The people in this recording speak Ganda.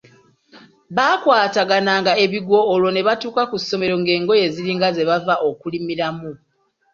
Baakwatagananga ebigwo olwo ne batuuka ku ssomero ng’engoye ziringa ze bava okulimiramu.